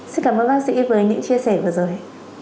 xin cảm ơn bác sĩ với những chia sẻ vừa rồi